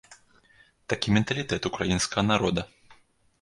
Такі менталітэт ўкраінскага народа.